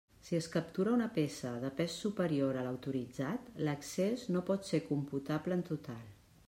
Si es captura una peça de pes superior a l'autoritzat, l'excés no pot ser computable en el total.